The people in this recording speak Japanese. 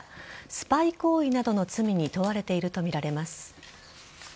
スパイ行為などの罪に問われているとみられます。